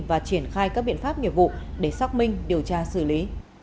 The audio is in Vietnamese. và triển khai các biện pháp nghiệp vụ để xác minh điều tra xử lý